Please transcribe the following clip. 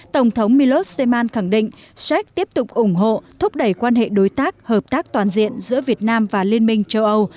tổng thống millos steman khẳng định séc tiếp tục ủng hộ thúc đẩy quan hệ đối tác hợp tác toàn diện giữa việt nam và liên minh châu âu